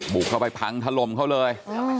บุกเข้าไปพังถล่มเขาเลย